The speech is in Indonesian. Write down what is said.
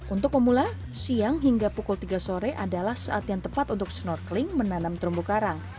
untuk pemula siang hingga pukul tiga sore adalah saat yang tepat untuk snorkeling menanam terumbu karang